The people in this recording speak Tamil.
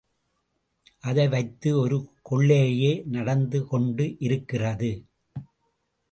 அதை வைத்து ஒரு கொள்ளையே நடந்துகொண்டிருக்கிறது.